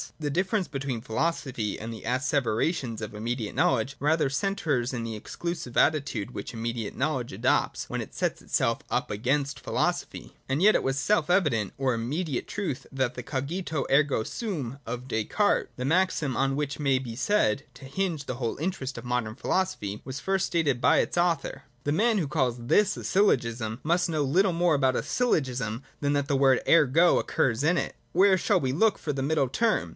The difference between philosophy and the asseverations of immediate knowledge rather centres in the exclusive attitude which immediate knowledge adopts, when it sets itself up against philosophy. And yet it was as a self evident or immediate truth that the ' Cogito, ergo sum,' of Descartes, the maxim on which may be said to hinge the whole interest of Modern Philosophy, was first stated by its author. The man who calls this a syllogism, must know little more about a syllogism than that the word ' Ergo ' occurs in it. Where shall we look for the middle term